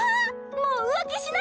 もう浮気しないけ？